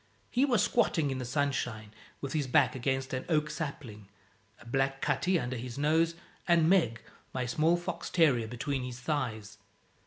He was squatting in the sunshine, with his back against an oak sapling, a black cutty under his nose, and Meg, my small fox terrier, between his thighs.